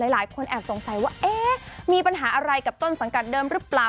หลายคนแอบสงสัยว่าเอ๊ะมีปัญหาอะไรกับต้นสังกัดเดิมหรือเปล่า